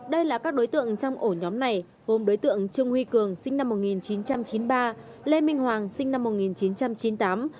đây là các đối tượng trong ổ nhóm này gồm đối tượng trương huy cường sinh năm một nghìn chín trăm chín mươi ba lê minh hoàng sinh năm một nghìn chín trăm chín mươi tám